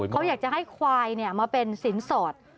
เขาอยากจะให้ควายมาเป็นสินสอด